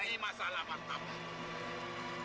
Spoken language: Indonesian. ini masalah matamu